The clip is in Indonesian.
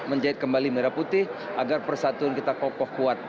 menjahit kembali merah putih agar persatuan kita kokoh kuat